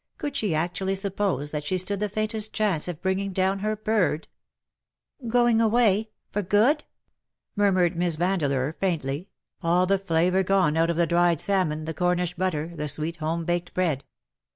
" Could she actu ally suppose that she stood the faintest chance of bringing down her bird ?"" Going away ? For good ?'' murmured Miss Vandeleur faintly — all the flavour gone out of the dried salmon, the Cornish butter^ the sweet home baked bread.